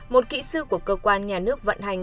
một kỹ sư của cơ quan nhà nước vận hành